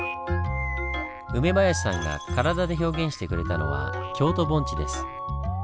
梅林さんが体で表現してくれたのは京都盆地です。